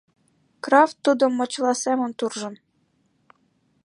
Крафт тудым мочыла семын туржын.